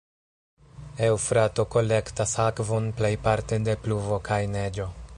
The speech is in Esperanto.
Eŭfrato kolektas akvon plejparte de pluvo kaj neĝo.